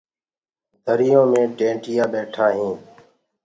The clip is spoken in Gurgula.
دريو مي ڏيمڀُو ٻيٺآ هينٚ۔